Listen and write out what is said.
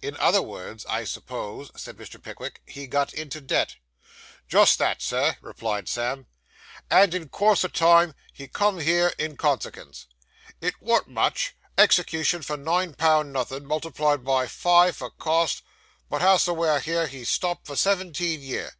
'In other words, I suppose,' said Mr. Pickwick, 'he got into debt.' 'Just that, Sir,' replied Sam, 'and in course o' time he come here in consekens. It warn't much execution for nine pound nothin', multiplied by five for costs; but hows'ever here he stopped for seventeen year.